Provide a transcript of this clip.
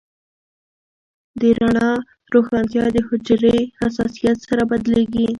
د رنګ روښانتیا د حجرې حساسیت سره بدلېږي.